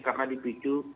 karena di pricu